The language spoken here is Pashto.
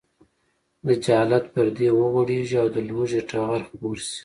د جهالت پردې وغوړېږي او د لوږې ټغر خپور شي.